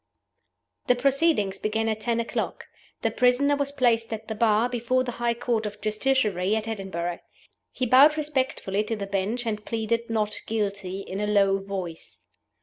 THE proceedings began at ten o'clock. The prisoner was placed at the Bar, before the High Court of Justiciary, at Edinburgh. He bowed respectfully to the Bench, and pleaded Not Guilty, in a low voice.